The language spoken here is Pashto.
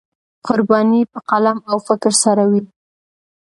قرباني په قلم او فکر سره وي.